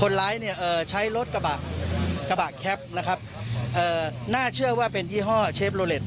คนร้ายใช้รถกระบะแคปน่าเชื่อว่าเป็นยี่ห้อเชฟโลเล็ต